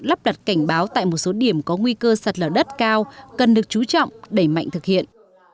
lắp đặt cảnh báo tại một số điểm có nguy cơ sạt lở đất cao cần được chú trọng đẩy mạnh thực hiện